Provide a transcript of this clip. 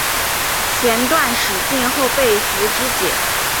弦断矢尽后被俘支解。